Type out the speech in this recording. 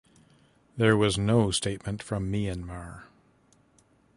There was no statement from Myanmar.